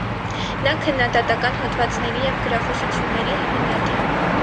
Նա քննադատական հոդվածների և գրախոսությունների հեղինակ է։